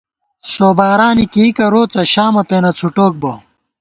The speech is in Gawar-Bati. سوبارانی کېئیکہ روڅہ شامہ پېنہ څھُٹوک بہ